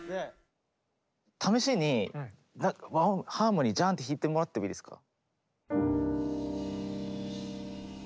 試しに和音ハーモニージャンって弾いてもらってもいいですか。